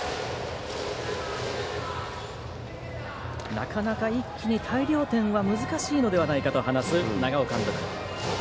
なかなか一気に大量点は難しいのではないかと話す長尾監督。